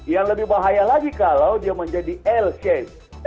yang lebih bahaya lagi kalau dia menjadi l shape